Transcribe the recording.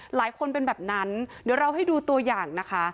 หลายคนเป็นแบบนั้นเดี๋ยวเราให้ดูตัวอย่างนะคะ